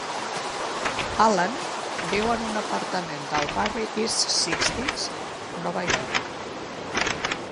Alan viu en un apartament al barri d'East Sixties, Nova York.